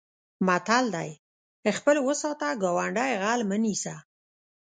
متل دی: خپل و ساته ګاونډی غل مه نیسه.